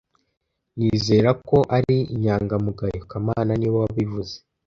Nizera ko ari inyangamugayo kamana niwe wabivuze